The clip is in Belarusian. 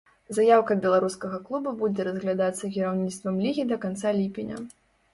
Заяўка беларускага клуба будзе разглядацца кіраўніцтвам лігі да канца ліпеня.